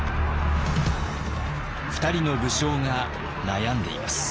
２人の武将が悩んでいます。